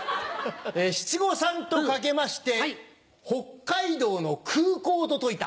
七五三と掛けまして北海道の空港と解いた。